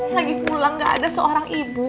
lagi pulang gak ada seorang ibu